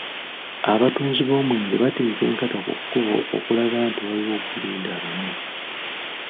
Abatunzi b’omwenge bateeka e Nkata ku kkubo okulaga nti waliwo ogulinda abanywi.